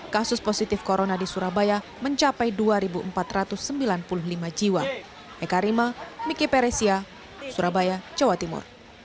kasus positif corona di surabaya mencapai dua empat ratus sembilan puluh lima jiwa